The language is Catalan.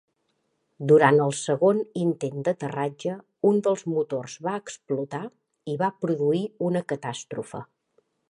Durant el segon intent d'aterratge, un dels motors va explotar, i va produir una catàstrofe.